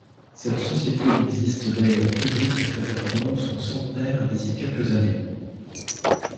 Cette société existe d'ailleurs toujours et fêtera donc son centenaire d'ici quelques années.